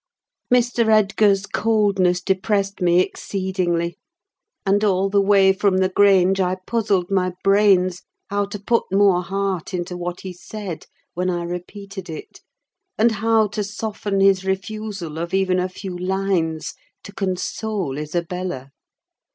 Mr. Edgar's coldness depressed me exceedingly; and all the way from the Grange I puzzled my brains how to put more heart into what he said, when I repeated it; and how to soften his refusal of even a few lines to console Isabella.